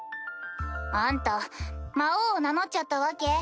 あんた魔王を名乗っちゃったわけ？